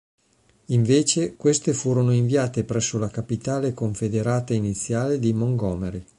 Invece, queste furono inviate presso la capitale confederata iniziale di Montgomery.